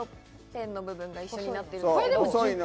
ペンの部分が一緒になっています。